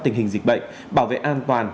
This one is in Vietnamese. tình hình dịch bệnh bảo vệ an toàn